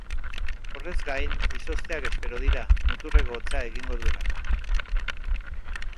Horrez gain, izozteak espero dira muturreko hotza egingo duelako.